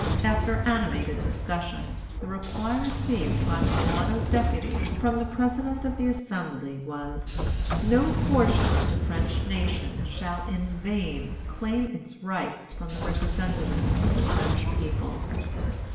After animated discussion, the reply received by the mulatto deputies from the President of the Assembly was: "No portion of the French nation shall in vain claim its rights from the representatives of the French people."